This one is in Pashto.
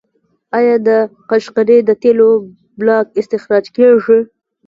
آیا د قشقري د تیلو بلاک استخراج کیږي؟